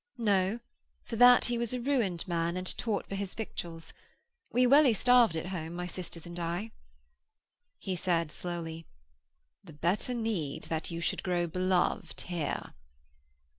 'No, for that he was a ruined man, and taught for his victuals. We welly starved at home, my sisters and I.' He said slowly: 'The better need that you should grow beloved here.'